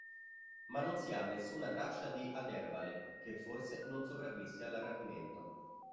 Ma non si ha nessuna traccia di Aderbale, che forse non sopravvisse al rapimento.